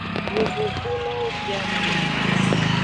Yovogbulowo bia go.